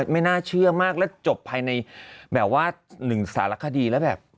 ไม่น่าเชื่อมากแล้วจบภายในแบบว่าหนึ่งสารคดีแล้วแบบ